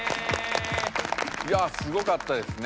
いやすごかったですね。